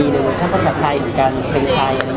ในเวอร์ชั่นภาษาไทยเหมือนกัน